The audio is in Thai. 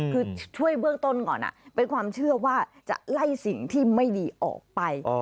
คือช่วยเบื้องต้นก่อนเป็นความเชื่อว่าจะไล่สิ่งที่ไม่ดีออกไป